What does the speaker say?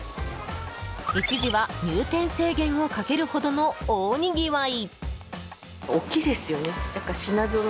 一時は入店制限をかけるほどの大にぎわい。